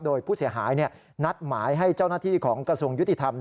โดยผู้เสียหายนัดหมายให้เจ้าหน้าที่ของกระทรวงยุติธรรม